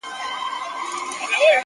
زما اوزگړي زما پسونه دي چیچلي٫